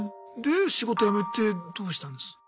で仕事辞めてどうしたんです？